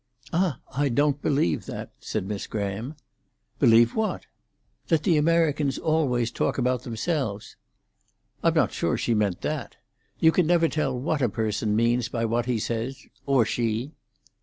"Ah, I don't believe that," said Miss Graham. "Believe what?" "That the Americans always talk about themselves." "I'm not sure she meant that. You never can tell what a person means by what he says—or she."